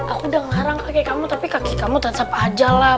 aku udah ngarang kaki kamu tapi kaki kamu tansap aja lah